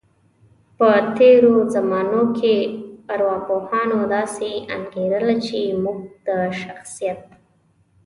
په تیرو زمانو کې ارواپوهانو داسې انګیرله، چی موږ د شخصیت